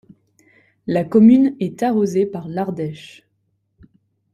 La commune est arrosée par l'Ardèche.